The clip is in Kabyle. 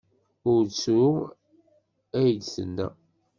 Ur ttru, ay d-tenna.